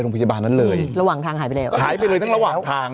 โรงพยาบาลนั้นเลยระหว่างทางหายไปแล้วหายไปเลยทั้งระหว่างทาง